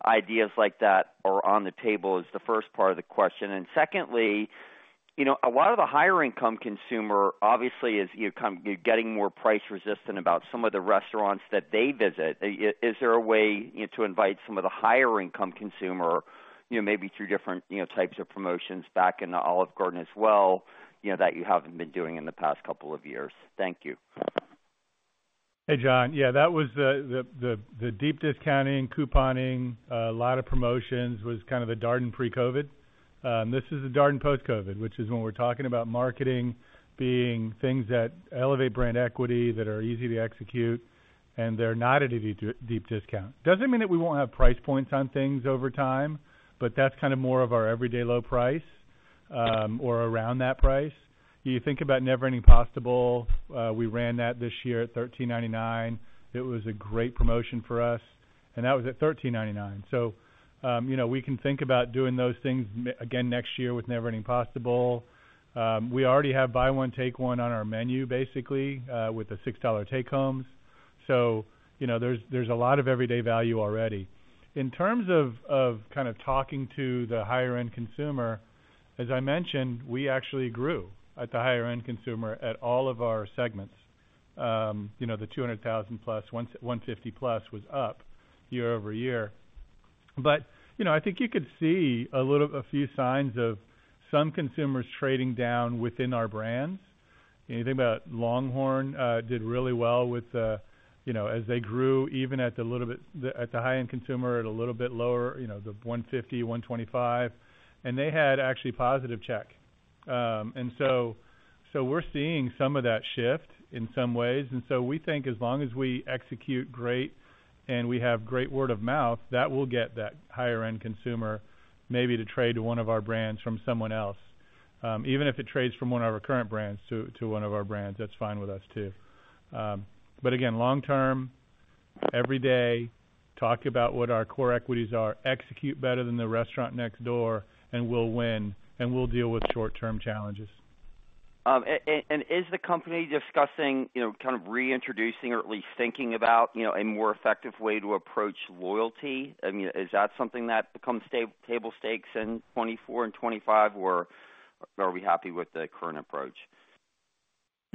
ideas like that are on the table is the first part of the question. And secondly, a lot of the higher-income consumer obviously is getting more price-resistant about some of the restaurants that they visit. Is there a way to invite some of the higher-income consumer maybe through different types of promotions back into Olive Garden as well that you haven't been doing in the past couple of years? Thank you. Hey, John. Yeah. That was the deep discounting, couponing, a lot of promotions was kind of the Darden pre-COVID. This is the Darden post-COVID, which is when we're talking about marketing being things that elevate brand equity, that are easy to execute, and they're not at a deep discount. It doesn't mean that we won't have price points on things over time, but that's kind of more of our everyday low price or around that price. You think about Never Ending Pasta Bowl. We ran that this year at $13.99. It was a great promotion for us, and that was at $13.99. So we can think about doing those things again next year with Never Ending Pasta Bowl. We already have Buy One, Take One on our menu, basically, with the $6 take-homes. So there's a lot of everyday value already. In terms of kind of talking to the higher-end consumer, as I mentioned, we actually grew at the higher-end consumer at all of our segments. The 200,000-plus, 150-plus was up year-over-year. But I think you could see a few signs of some consumers trading down within our brands. You think about LongHorn, did really well as they grew even at the little bit at the high-end consumer, at a little bit lower, the 150, 125, and they had actually positive check. And so we're seeing some of that shift in some ways. And so we think as long as we execute great and we have great word of mouth, that will get that higher-end consumer maybe to trade to one of our brands from someone else. Even if it trades from one of our current brands to one of our brands, that's fine with us too. But again, long term, every day, talk about what our core equities are, execute better than the restaurant next door, and we'll win, and we'll deal with short-term challenges. Is the company discussing kind of reintroducing or at least thinking about a more effective way to approach loyalty? I mean, is that something that becomes table stakes in 2024 and 2025, or are we happy with the current approach?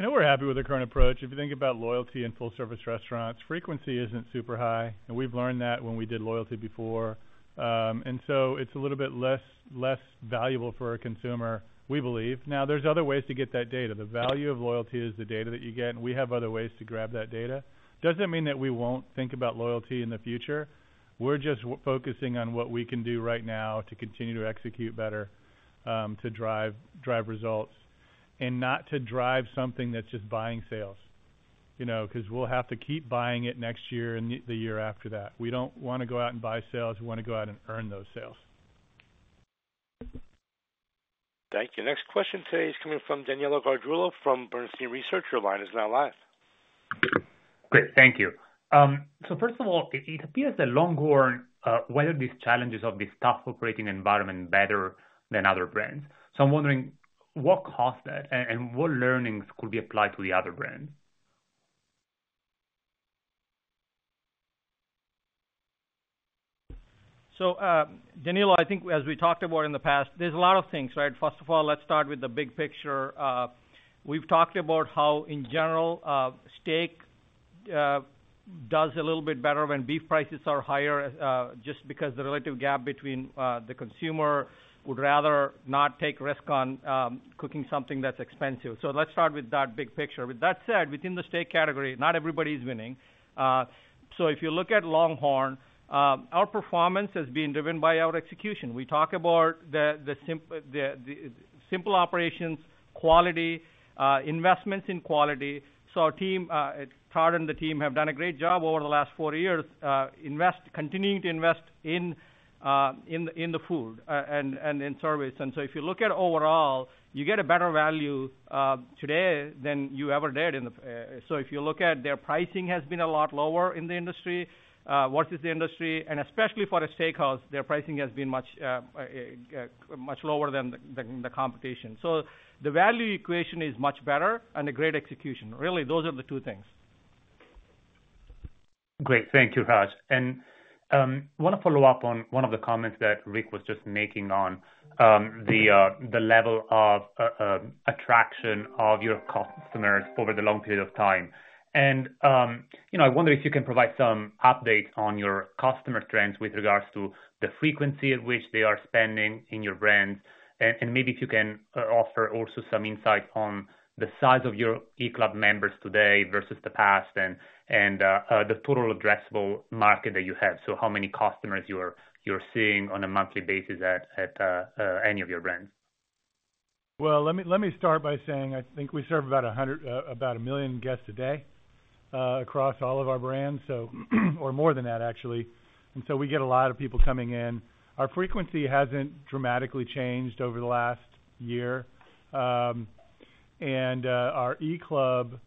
We're happy with the current approach. If you think about loyalty in full-service restaurants, frequency isn't super high. We've learned that when we did loyalty before. So it's a little bit less valuable for our consumer, we believe. Now, there's other ways to get that data. The value of loyalty is the data that you get, and we have other ways to grab that data. It doesn't mean that we won't think about loyalty in the future. We're just focusing on what we can do right now to continue to execute better, to drive results, and not to drive something that's just buying sales because we'll have to keep buying it next year and the year after that. We don't want to go out and buy sales. We want to go out and earn those sales. Thank you. Next question today is coming from Danilo Gargiulo from Bernstein. Your line is now live. Great. Thank you. So first of all, it appears that LongHorn weathered these challenges of this tough operating environment better than other brands. So I'm wondering what caused that and what learnings could be applied to the other brands? So Danilo, I think as we talked about in the past, there's a lot of things, right? First of all, let's start with the big picture. We've talked about how, in general, steak does a little bit better when beef prices are higher just because the relative gap between the consumer would rather not take risk on cooking something that's expensive. So let's start with that big picture. With that said, within the steak category, not everybody is winning. So if you look at LongHorn, our performance has been driven by our execution. We talk about the simple operations, quality, investments in quality. So our team, Darden and the team, have done a great job over the last four years, continuing to invest in the food and in service. So if you look at overall, you get a better value today than you ever did in the so if you look at their pricing has been a lot lower in the industry versus the industry, and especially for a steakhouse, their pricing has been much lower than the competition. So the value equation is much better and a great execution. Really, those are the two things. Great. Thank you, Raj. I want to follow up on one of the comments that Rick was just making on the level of traction of your customers over the long period of time. I wonder if you can provide some updates on your customer trends with regards to the frequency at which they are spending in your brands. Maybe if you can offer also some insight on the size of your eClub members today versus the past and the total addressable market that you have, so how many customers you're seeing on a monthly basis at any of your brands? Well, let me start by saying I think we serve about 1 million guests a day across all of our brands, or more than that, actually. And so we get a lot of people coming in. Our frequency hasn't dramatically changed over the last year. And our eClub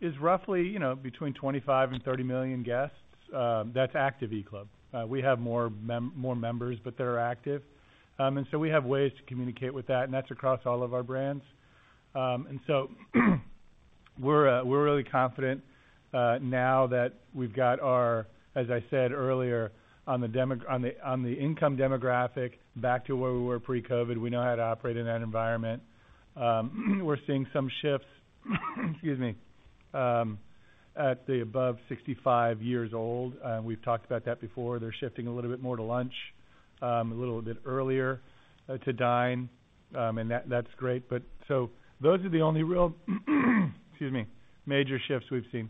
is roughly between 25 and 30 million guests. That's active eClub. We have more members, but they're active. And so we have ways to communicate with that, and that's across all of our brands. And so we're really confident now that we've got our, as I said earlier, on the income demographic, back to where we were pre-COVID, we know how to operate in that environment. We're seeing some shifts - excuse me - at the above 65 years old. We've talked about that before. They're shifting a little bit more to lunch, a little bit earlier to dine, and that's great. So those are the only real - excuse me - major shifts we've seen.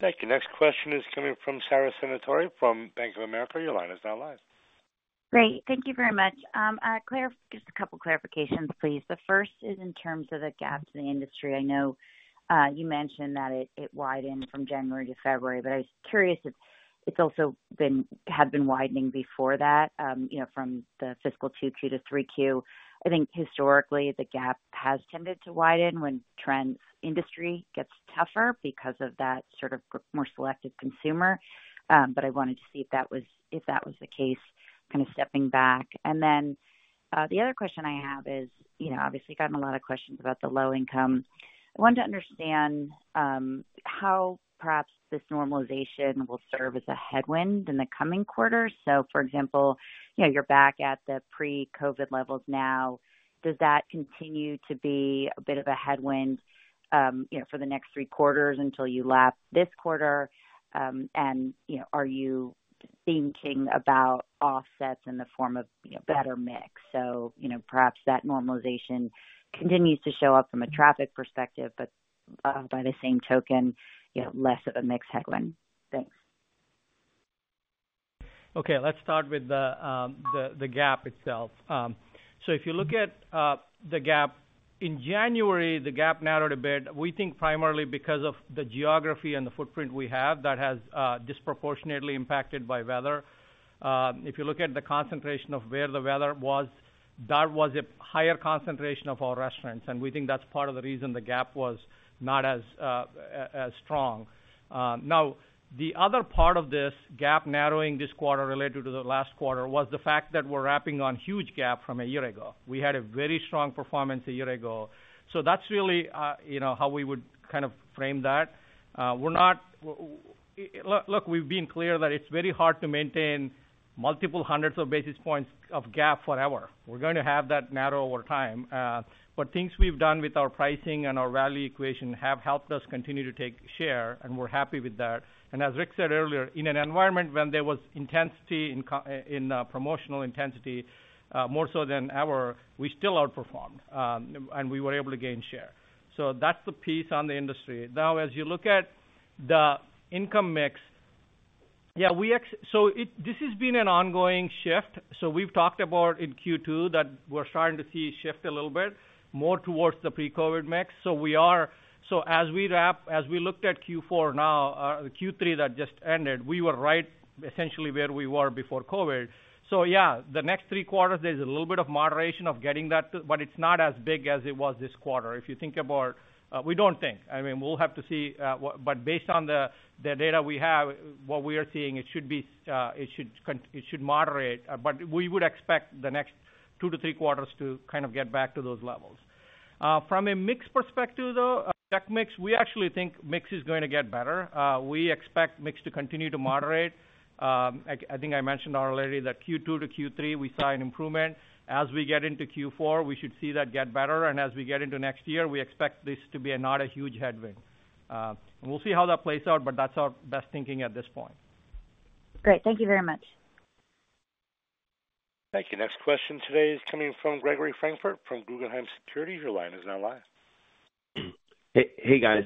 Thank you. Next question is coming from Sara Senatore from Bank of America. Your line is now live. Great. Thank you very much. Just a couple of clarifications, please. The first is in terms of the gaps in the industry. I know you mentioned that it widened from January to February, but I was curious if it's also had been widening before that from the fiscal 2Q to 3Q. I think historically, the gap has tended to widen when trends industry gets tougher because of that sort of more selective consumer. But I wanted to see if that was the case, kind of stepping back. And then the other question I have is obviously, gotten a lot of questions about the low income. I wanted to understand how perhaps this normalization will serve as a headwind in the coming quarters. So for example, you're back at the pre-COVID levels now. Does that continue to be a bit of a headwind for the next three quarters until you lap this quarter? Are you thinking about offsets in the form of better mix? Perhaps that normalization continues to show up from a traffic perspective, but by the same token, less of a mix headwind. Thanks. Okay. Let's start with the gap itself. So if you look at the gap in January, the gap narrowed a bit. We think primarily because of the geography and the footprint we have that has been disproportionately impacted by weather. If you look at the concentration of where the weather was, that was a higher concentration of our restaurants. And we think that's part of the reason the gap was not as strong. Now, the other part of this gap narrowing this quarter related to the last quarter was the fact that we're lapping a huge gap from a year ago. We had a very strong performance a year ago. So that's really how we would kind of frame that. Look, we've been clear that it's very hard to maintain multiple hundreds of basis points of gap forever. We're going to have that narrow over time. But things we've done with our pricing and our value equation have helped us continue to take share, and we're happy with that. As Rick said earlier, in an environment when there was intensity in promotional intensity more so than our, we still outperformed, and we were able to gain share. That's the piece on the industry. Now, as you look at the income mix, yeah, this has been an ongoing shift. We've talked about in Q2 that we're starting to see shift a little bit more towards the pre-COVID mix. As we wrap, as we looked at Q4 now, Q3 that just ended, we were right essentially where we were before COVID. Yeah, the next three quarters, there's a little bit of moderation of getting that to, but it's not as big as it was this quarter. If you think about we don't think. I mean, we'll have to see. But based on the data we have, what we are seeing, it should moderate. But we would expect the next 2-3 quarters to kind of get back to those levels. From a mix perspective, though, check mix, we actually think mix is going to get better. We expect mix to continue to moderate. I think I mentioned already that Q2 to Q3, we saw an improvement. As we get into Q4, we should see that get better. And as we get into next year, we expect this to be not a huge headwind. And we'll see how that plays out, but that's our best thinking at this point. Great. Thank you very much. Thank you. Next question today is coming from Gregory Francfort from Guggenheim Securities. Your line is now live. Hey, guys.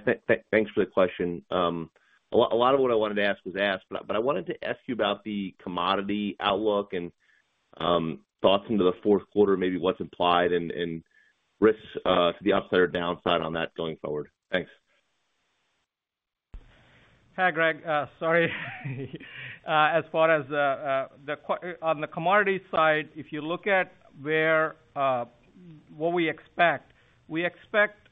Thanks for the question. A lot of what I wanted to ask was asked, but I wanted to ask you about the commodity outlook and thoughts into the fourth quarter, maybe what's implied and risks to the upside or downside on that going forward. Thanks. Hi, Greg. Sorry. As far as on the commodity side, if you look at what we expect, we expect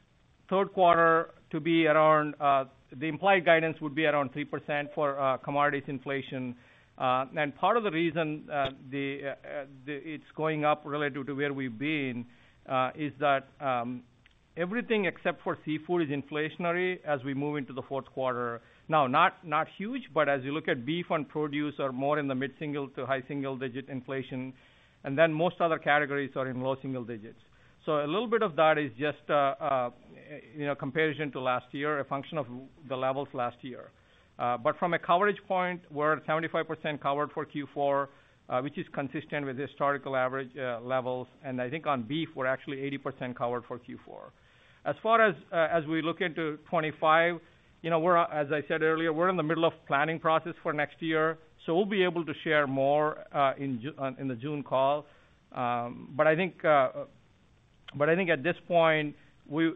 third quarter to be around the implied guidance would be around 3% for commodities inflation. And part of the reason it's going up relative to where we've been is that everything except for seafood is inflationary as we move into the fourth quarter. Now, not huge, but as you look at beef and produce, they're more in the mid-single- to high-single-digit inflation. And then most other categories are in low-single-digits. So a little bit of that is just a comparison to last year, a function of the levels last year. But from a coverage point, we're 75% covered for Q4, which is consistent with historical average levels. And I think on beef, we're actually 80% covered for Q4. As far as we look into 2025, as I said earlier, we're in the middle of planning process for next year. So we'll be able to share more in the June call. But I think at this point, we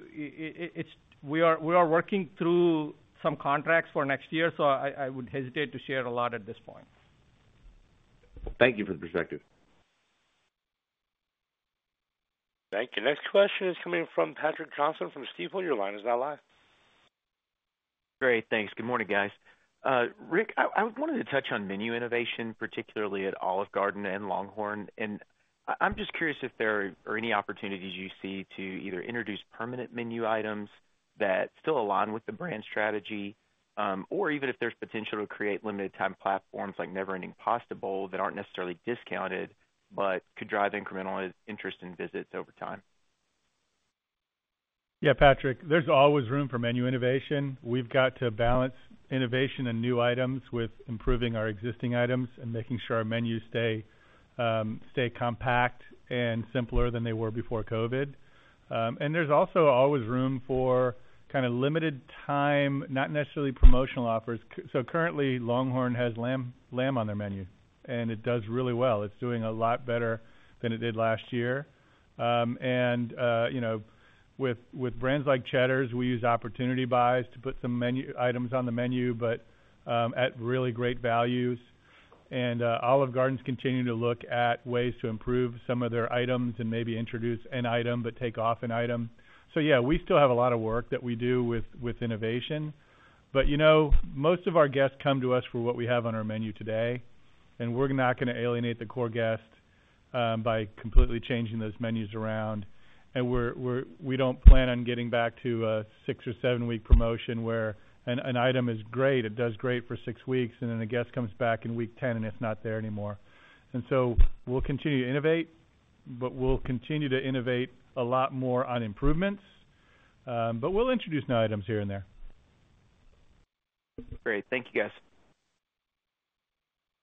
are working through some contracts for next year, so I would hesitate to share a lot at this point. Thank you for the perspective. Thank you. Next question is coming from Chris O'Cull from Stifel. Your line is now live. Great. Thanks. Good morning, guys. Rick, I wanted to touch on menu innovation, particularly at Olive Garden and LongHorn. I'm just curious if there are any opportunities you see to either introduce permanent menu items that still align with the brand strategy, or even if there's potential to create limited-time platforms like Never Ending Pasta Bowl that aren't necessarily discounted but could drive incremental interest in visits over time? Yeah, Patrick. There's always room for menu innovation. We've got to balance innovation and new items with improving our existing items and making sure our menus stay compact and simpler than they were before COVID. There's also always room for kind of limited-time, not necessarily promotional offers. Currently, LongHorn has lamb on their menu, and it does really well. It's doing a lot better than it did last year. With brands like Cheddar's, we use opportunity buys to put some items on the menu, but at really great values. Olive Garden's continuing to look at ways to improve some of their items and maybe introduce an item but take off an item. Yeah, we still have a lot of work that we do with innovation. But most of our guests come to us for what we have on our menu today, and we're not going to alienate the core guest by completely changing those menus around. We don't plan on getting back to a 6- or 7-week promotion where an item is great, it does great for 6 weeks, and then a guest comes back in week 10 and it's not there anymore. So we'll continue to innovate, but we'll continue to innovate a lot more on improvements. We'll introduce new items here and there. Great. Thank you, guys.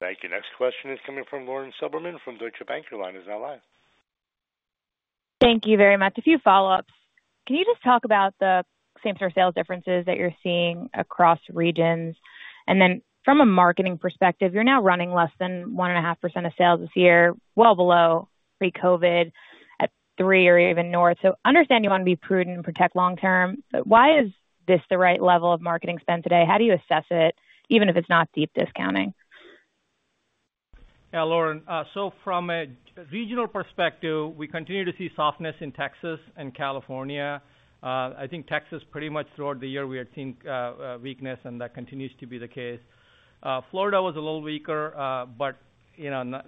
Thank you. Next question is coming from Lauren Silberman from Deutsche Bank. Your line is now live. Thank you very much. A few follow-ups. Can you just talk about the same sort of sales differences that you're seeing across regions? And then from a marketing perspective, you're now running less than 1.5% of sales this year, well below pre-COVID at 3% or even north. So I understand you want to be prudent and protect long-term, but why is this the right level of marketing spend today? How do you assess it, even if it's not deep discounting? Yeah, Lauren. So from a regional perspective, we continue to see softness in Texas and California. I think Texas, pretty much throughout the year, we had seen weakness, and that continues to be the case. Florida was a little weaker, but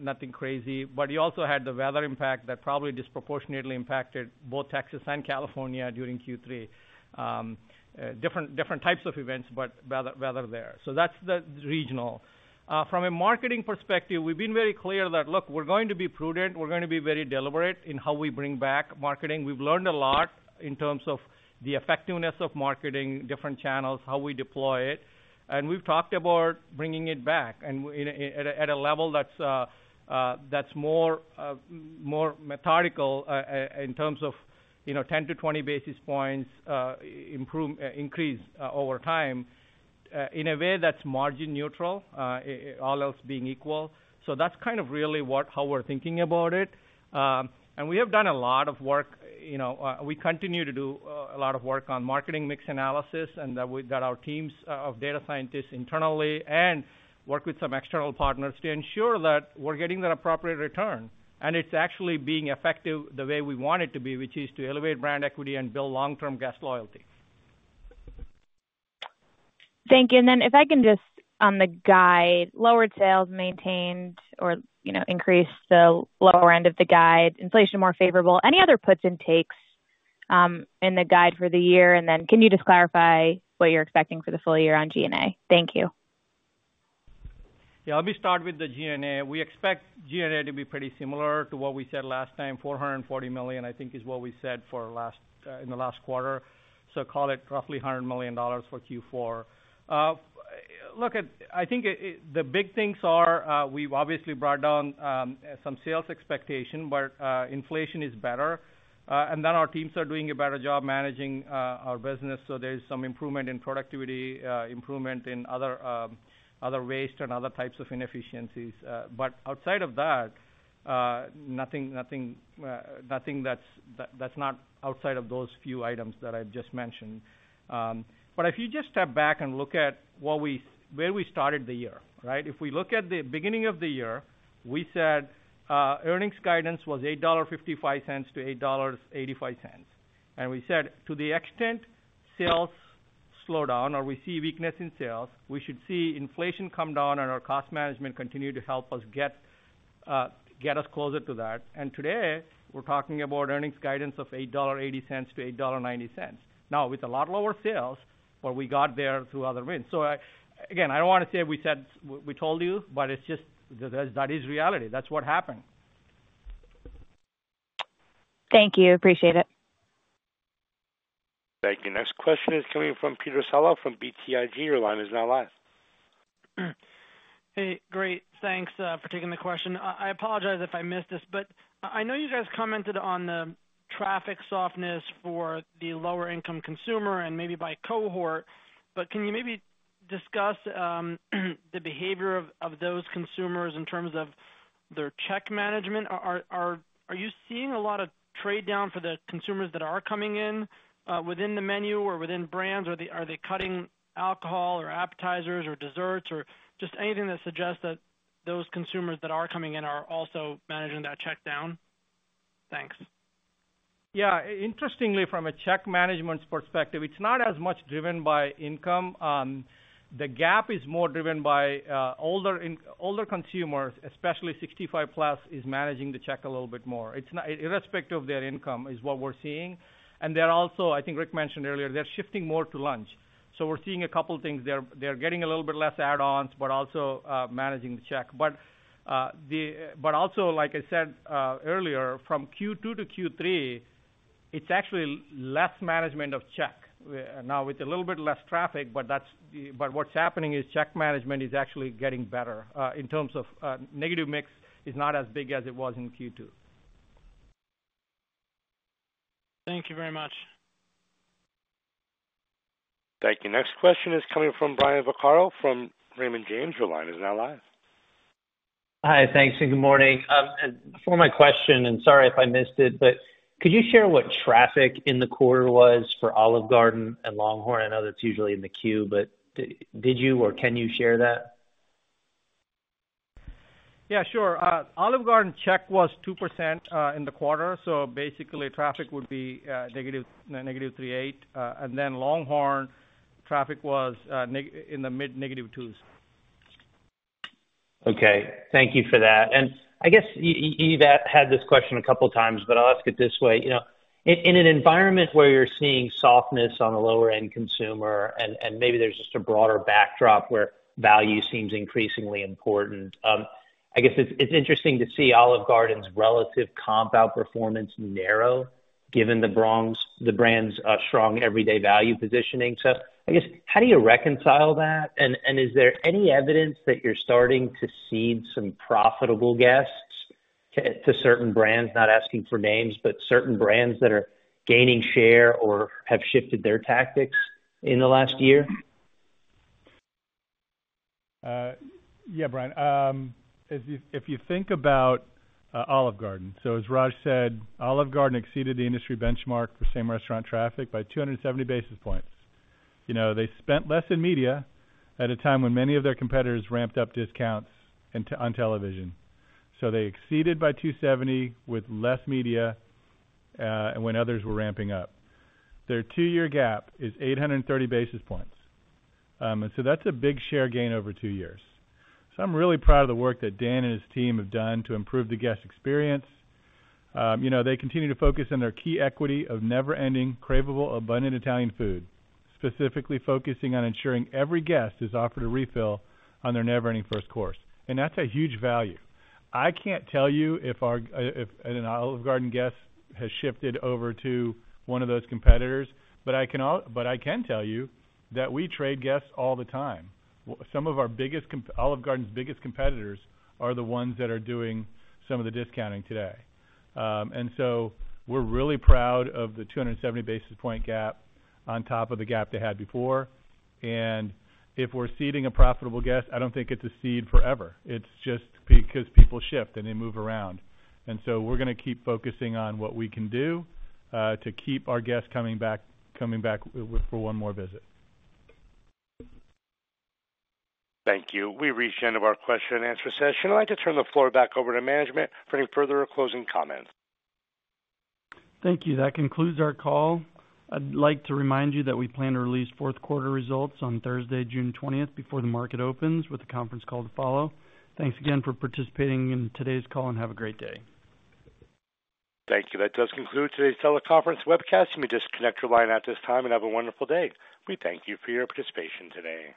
nothing crazy. But you also had the weather impact that probably disproportionately impacted both Texas and California during Q3, different types of events, but weather there. So that's the regional. From a marketing perspective, we've been very clear that, look, we're going to be prudent. We're going to be very deliberate in how we bring back marketing. We've learned a lot in terms of the effectiveness of marketing, different channels, how we deploy it. And we've talked about bringing it back at a level that's more methodical in terms of 10-20 basis points increase over time in a way that's margin neutral, all else being equal. So that's kind of really how we're thinking about it. We have done a lot of work. We continue to do a lot of work on marketing mix analysis and that our teams of data scientists internally and work with some external partners to ensure that we're getting that appropriate return. It's actually being effective the way we want it to be, which is to elevate brand equity and build long-term guest loyalty. Thank you. And then if I can just on the guide, lowered sales, maintained, or increased the lower end of the guide, inflation more favorable, any other puts and takes in the guide for the year? And then can you just clarify what you're expecting for the full year on G&A? Thank you. Yeah, let me start with the G&A. We expect G&A to be pretty similar to what we said last time. $440 million, I think, is what we said in the last quarter. So call it roughly $100 million for Q4. I think the big things are we've obviously brought down some sales expectation, but inflation is better. And then our teams are doing a better job managing our business. So there's some improvement in productivity, improvement in other waste and other types of inefficiencies. But outside of that, nothing that's not outside of those few items that I just mentioned. But if you just step back and look at where we started the year, right, if we look at the beginning of the year, we said earnings guidance was $8.55-$8.85. We said, to the extent sales slow down or we see weakness in sales, we should see inflation come down and our cost management continue to help us get us closer to that. Today, we're talking about earnings guidance of $8.80-$8.90, now with a lot lower sales, but we got there through other wins. Again, I don't want to say we told you, but that is reality. That's what happened. Thank you. Appreciate it. Thank you. Next question is coming from Peter Saleh from BTIG. Your line is now live. Hey, great. Thanks for taking the question. I apologize if I missed this, but I know you guys commented on the traffic softness for the lower-income consumer and maybe by cohort. But can you maybe discuss the behavior of those consumers in terms of their check management? Are you seeing a lot of trade-down for the consumers that are coming in within the menu or within brands? Are they cutting alcohol or appetizers or desserts or just anything that suggests that those consumers that are coming in are also managing that check down? Thanks. Yeah. Interestingly, from a check management perspective, it's not as much driven by income. The gap is more driven by older consumers, especially 65-plus, is managing the check a little bit more, irrespective of their income is what we're seeing. And I think Rick mentioned earlier, they're shifting more to lunch. So we're seeing a couple of things. They're getting a little bit less add-ons, but also managing the check. But also, like I said earlier, from Q2 to Q3, it's actually less management of check now with a little bit less traffic. But what's happening is check management is actually getting better in terms of negative mix is not as big as it was in Q2. Thank you very much. Thank you. Next question is coming from Brian Vaccaro from Raymond James. Your line is now live. Hi. Thanks. And good morning. Before my question, and sorry if I missed it, but could you share what traffic in the quarter was for Olive Garden and LongHorn? I know that's usually in the queue, but did you or can you share that? Yeah, sure. Olive Garden check was 2% in the quarter. So basically, traffic would be negative 3.8. And then LongHorn, traffic was in the mid-negative 2s. Okay. Thank you for that. And I guess you've had this question a couple of times, but I'll ask it this way. In an environment where you're seeing softness on the lower-end consumer and maybe there's just a broader backdrop where value seems increasingly important, I guess it's interesting to see Olive Garden's relative comp outperformance narrow given the brand's strong everyday value positioning. So I guess how do you reconcile that? And is there any evidence that you're starting to cede some profitable guests to certain brands, not asking for names, but certain brands that are gaining share or have shifted their tactics in the last year? Yeah, Brian. If you think about Olive Garden, so as Raj said, Olive Garden exceeded the industry benchmark for same restaurant traffic by 270 basis points. They spent less in media at a time when many of their competitors ramped up discounts on television. So they exceeded by 270 with less media and when others were ramping up. Their two-year gap is 830 basis points. And so that's a big share gain over two years. So I'm really proud of the work that Dan and his team have done to improve the guest experience. They continue to focus on their key equity of never-ending, craveable, abundant Italian food, specifically focusing on ensuring every guest is offered a refill on their Never Ending First Course. And that's a huge value. I can't tell you if an Olive Garden guest has shifted over to one of those competitors, but I can tell you that we trade guests all the time. Some of Olive Garden's biggest competitors are the ones that are doing some of the discounting today. And so we're really proud of the 270 basis point gap on top of the gap they had before. And if we're ceding a profitable guest, I don't think it's a cede forever. It's just because people shift and they move around. And so we're going to keep focusing on what we can do to keep our guests coming back for one more visit. Thank you. We reached the end of our question-and-answer session. I'd like to turn the floor back over to management for any further or closing comments. Thank you. That concludes our call. I'd like to remind you that we plan to release fourth-quarter results on Thursday, June 20th, before the market opens with a conference call to follow. Thanks again for participating in today's call and have a great day. Thank you. That does conclude today's teleconference webcast. You may disconnect your line at this time and have a wonderful day. We thank you for your participation today.